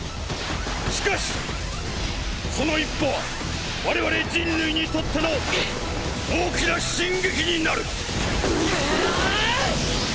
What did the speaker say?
しかしその一歩は我々人類にとっての大きな進撃になる。